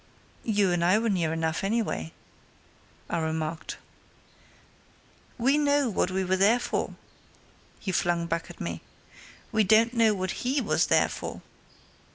"You and I were near enough, anyway," I remarked. "We know what we were there for," he flung back at me. "We don't know what he was there for."